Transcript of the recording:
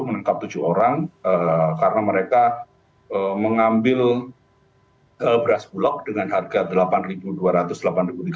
menangkap tujuh orang karena mereka mengambil beras bulog dengan harga rp delapan dua ratus delapan